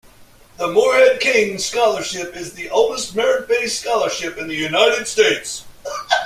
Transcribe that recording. The Morehead-Cain Scholarship is the oldest merit-based scholarship in the United States.